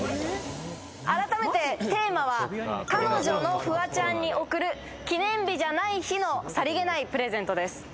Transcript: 改めてテーマは、彼女のフワちゃんに贈る記念日じゃない日のさりげないプレゼントです。